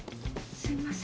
すみません。